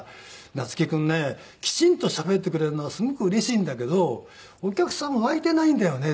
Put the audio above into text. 「夏木君ねきちんとしゃべってくれるのはすごくうれしいんだけどお客さん沸いていないんだよね」